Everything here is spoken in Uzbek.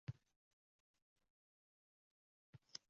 Ovqat erdik utirib birga